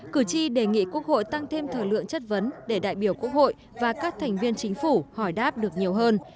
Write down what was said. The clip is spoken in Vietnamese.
cử tri đề nghị quốc hội tăng thêm thời lượng chất vấn để đại biểu quốc hội và các thành viên chính phủ hỏi đáp được nhiều hơn